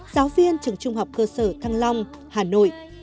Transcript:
giáo viên trường trung học cơ sở thăng long hà nội